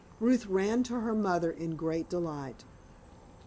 Ruth ran to her mother in great delight.